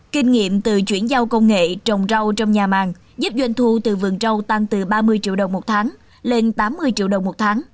kinh nghiệm từ chuyển giao công nghệ trồng rau trong nhà màng giúp doanh thu từ vườn rau tăng từ ba mươi triệu đồng một tháng lên tám mươi triệu đồng một tháng